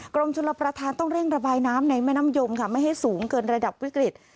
กรมชลประธานต้องเร่งระบายน้ำในแม่น้ำยมค่ะไม่ให้สูงเกินระดับวิกฤต